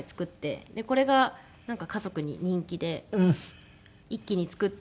これがなんか家族に人気で一気に作って。